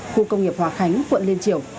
khu công nghiệp hòa khánh quận lên triều